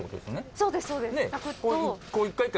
そうですそうです。